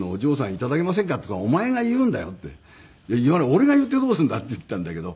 「俺が言ってどうするんだ」って言ったんだけど。